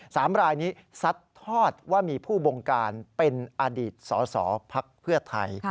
สามรายนี้ซัดทอดว่ามีผู้บงการเป็นอดีตสอสอภักดิ์เพื่อไทย